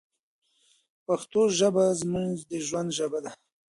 پښتو ژبه زموږ د ژوند ژبه ده.